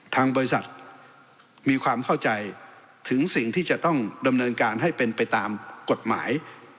ทางบริษัทมีความเข้าใจถึงสิ่งที่จะต้องดำเนินการให้เป็นไปตามกฎหมาย